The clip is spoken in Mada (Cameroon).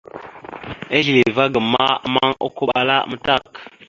Asleva agam ma, ammaŋ okoɓala amətak.